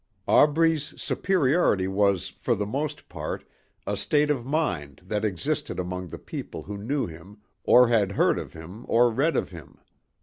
Aubrey's superiority was, for the most part, a state of mind that existed among the people who knew him or had heard of him or read of him.